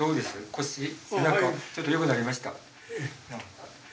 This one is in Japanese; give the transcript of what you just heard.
腰背中ちょっとよくなりました？